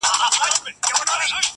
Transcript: وجدان او وېره ورسره جنګېږي تل,